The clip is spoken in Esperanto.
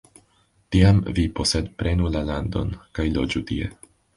Tiam vi posedprenu la landon, kaj loĝu tie.